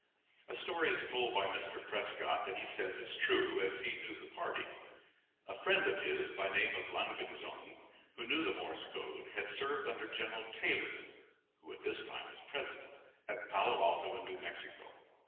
A story is told by Mr. Prescott that he says is true, as he knew the party. A friend of his, by name Langenzunge, who knew the Morse code, had served under General Taylor (who at this time was President) at Palo Alto, in Mexico.